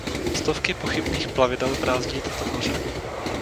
Stovky pochybných plavidel brázdí tato moře.